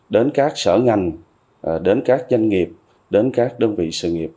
đến các sở ngành đến các doanh nghiệp đến các đơn vị sự nghiệp